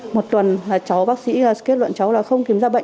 một tuần bác sĩ kết luận cháu là không kiểm tra bệnh